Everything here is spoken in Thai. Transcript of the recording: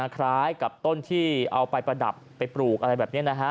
คล้ายกับต้นที่เอาไปประดับไปปลูกอะไรแบบนี้นะฮะ